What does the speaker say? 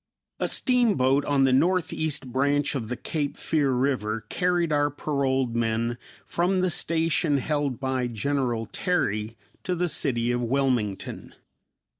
A steamboat on the northeast branch of the Cape Fear river carried our paroled men from the station held by General Terry to the city of Wilmington.